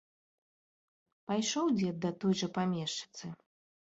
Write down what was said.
Пайшоў дзед да той жа памешчыцы.